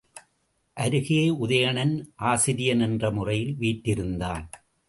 அருகே உதயணன் ஆசிரியன் என்ற முறையில் வீற்றிருந்தான்.